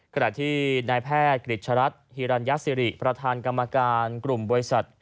ขณะที่นายแพทย์กฤษรัฐฮิรัญญาสิริประธานกรรมการกลุ่มบริษัท